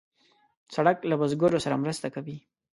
سړک له بزګرو سره مرسته کوي.